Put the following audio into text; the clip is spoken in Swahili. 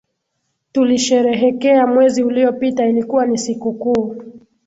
Tulisherehekea mwezi uliopita ilikuwa ni sikukuu